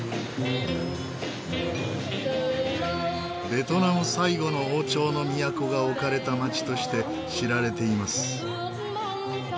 ベトナム最後の王朝の都が置かれた街として知られています。